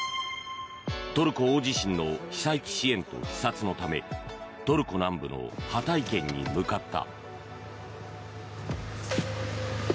トルコ大地震に被災地支援と視察のためトルコ南部のハタイ県に向かった。